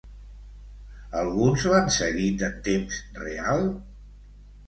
Alguns l'han seguit en temps real?